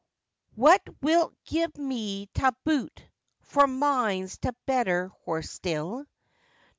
What wilt gi' me ta boot? for mine's t'better horse still!